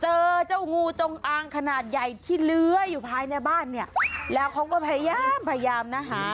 เจอเจ้างูจงอางขนาดใหญ่ที่เลื้อยอยู่ภายในบ้านเนี่ยแล้วเขาก็พยายามพยายามนะคะหา